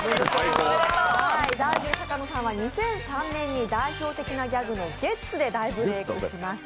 ダンディ坂野さんは２００３年に代表的なギャグの「ゲッツ！」で大ブレークしました。